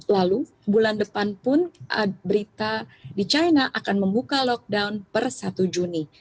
lalu bulan depan pun berita di china akan membuka lockdown per satu juni